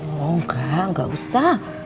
oh enggak enggak usah